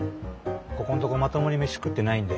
ここんとこまともに飯食ってないんで。